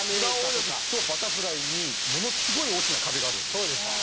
平泳ぎとバタフライにものすごい大きな壁があるんですよ。